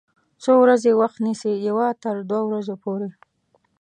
څو ورځې وخت نیسي؟ یوه تر دوه ورځو پوری